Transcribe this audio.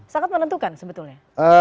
sangat menentukan sebetulnya